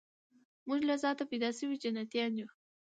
موږ له ذاته پیدا سوي جنتیان یو